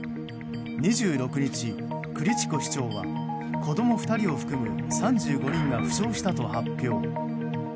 ２６日、クリチコ市長は子供２人を含む３５人が負傷したと発表。